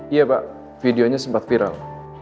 iya pak videonya sempat viral